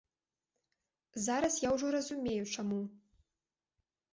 Зараз я ўжо разумею, чаму.